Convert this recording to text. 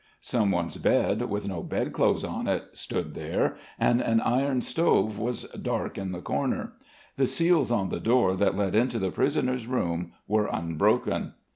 Someone's bed, with no bedclothes on it, stood there, and an iron stove was dark in the corner. The seals on the door that led into the prisoner's room were unbroken.